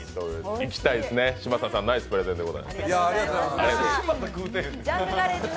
行きたいですね、嶋佐さん、ナイスプレゼンです。